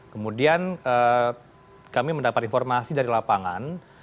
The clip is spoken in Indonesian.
kemudian kami mendapat informasi dari lapangan